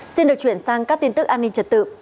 xin được chuyển sang các tin tức an ninh trật tự